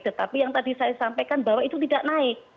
tetapi yang tadi saya sampaikan bahwa itu tidak naik